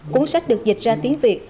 cuốn sách được dịch ra tiếng việt